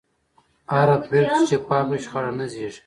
هره پرېکړه چې شفافه وي، شخړه نه زېږي.